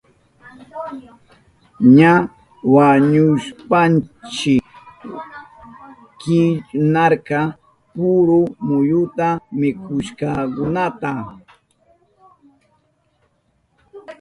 Ña wañuhushpanshi kiwnarka puru muyuta mikushkankunata.